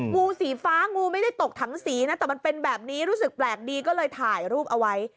งูสีฟ้างูไม่ได้ตกถังสีนะแต่มันเป็นแบบนี้รู้สึกแปลกดีก็เลยถ่ายรูปเอาไว้